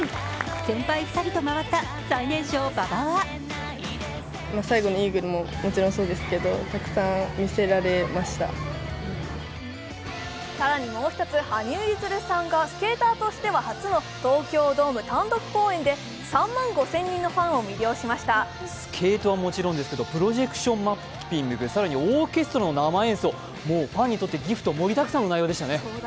先輩２人と回った最年少・馬場は更にもう一つ、羽生結弦さんがスケーターとしては初の東京ドーム単独公演で３万５０００人のファンを魅了しましたスケートはもちろんですけれども、プロジェクションマッピング、更にオーケストラの生演奏、ファンにとってギフト盛りだくさんの内容でしたね。